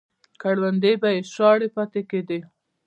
کروندې به یې شاړې پاتې کېدې.